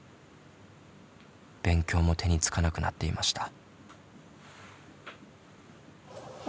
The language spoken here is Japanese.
勉強も手につかなくなっていました。